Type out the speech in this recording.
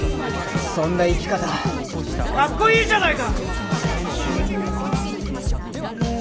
そんな生き方かっこいいじゃないか！